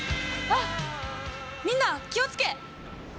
あっみんな気を付け！